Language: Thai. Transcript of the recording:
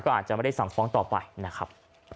อาจจะไม่ได้สั่งฟ้องต่อไปนะครับ